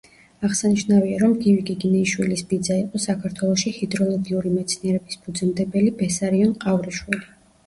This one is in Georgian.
აღსანიშნავია, რომ გივი გიგინეიშვილის ბიძა იყო საქართველოში ჰიდროლოგიური მეცნიერების ფუძემდებელი ბესარიონ ყავრიშვილი.